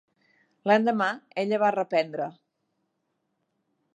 L'endemà ella va reprendre;